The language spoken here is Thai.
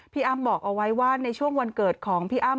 อ้ำบอกเอาไว้ว่าในช่วงวันเกิดของพี่อ้ำ